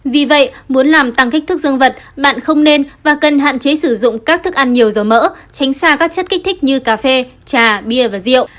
vì vậy muốn làm tăng kích thức dương vật bạn không nên và cần hạn chế sử dụng các thức ăn nhiều dầu mỡ tránh xa các chất kích thích như cà phê trà bia và rượu